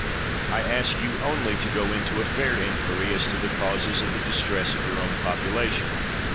I ask you only to go into a fair inquiry as to the causes of the distress of your own population.